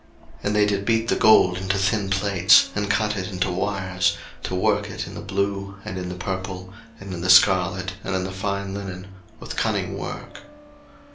02:039:003 And they did beat the gold into thin plates, and cut it into wires, to work it in the blue, and in the purple, and in the scarlet, and in the fine linen, with cunning work.